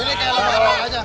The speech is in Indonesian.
ini kayak lembaran aja